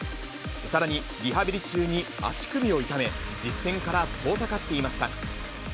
さらにリハビリ中に足首を痛め、実戦から遠ざかっていました。